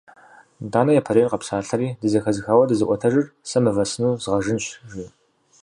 Итӏанэ япэрейр къэпсалъэри: - Дызэхэзыхауэ дызыӏуэтэжыр сэ мывэ сыну згъэжынщ!- жи.